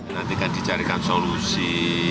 nantikan dicarikan solusi